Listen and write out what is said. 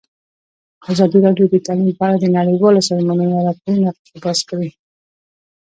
ازادي راډیو د تعلیم په اړه د نړیوالو سازمانونو راپورونه اقتباس کړي.